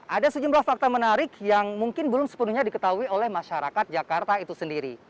ada sejumlah fakta menarik yang mungkin belum sepenuhnya diketahui oleh masyarakat jakarta itu sendiri